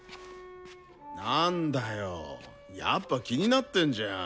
なんだよやっぱ気になってんじゃん。